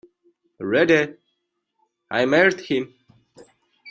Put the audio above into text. Reader, I married him.